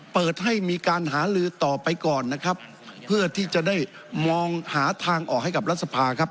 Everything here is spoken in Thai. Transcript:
เปิดให้มีการหาลือต่อไปก่อนนะครับเพื่อที่จะได้มองหาทางออกให้กับรัฐสภาครับ